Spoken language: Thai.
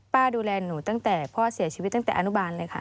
ดูแลหนูตั้งแต่พ่อเสียชีวิตตั้งแต่อนุบาลเลยค่ะ